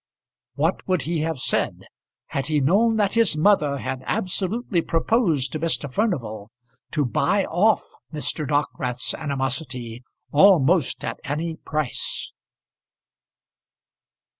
What would he have said had he known that his mother had absolutely proposed to Mr. Furnival to buy off Mr. Dockwrath's animosity, almost at any price?